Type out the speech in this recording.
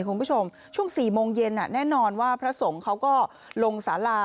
คุณผู้ชมช่วง๔โมงเย็นแน่นอนว่าพระสงฆ์เขาก็ลงสารา